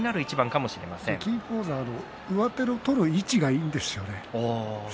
金峰山は上手を取る位置がいいんですよね。